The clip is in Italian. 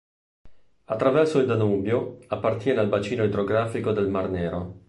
Attraverso il Danubio, appartiene al bacino idrografico del Mar Nero.